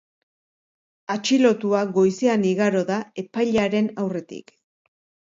Atxilotua goizean igaro da epailearen aurretik.